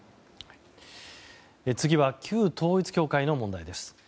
次は旧統一教会の問題です。